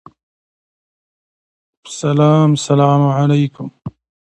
د جګړې او سولې رومان د بشریت د ارادې یو انځور دی.